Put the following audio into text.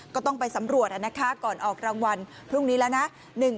ก็ต้องไปสำรวจนะคะก่อนออกรางวัลพรุ่งนี้แล้วนะ